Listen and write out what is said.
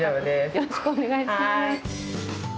よろしくお願いします。